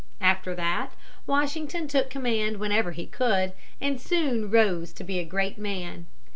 After that Washington took command whenever he could, and soon rose to be a great man.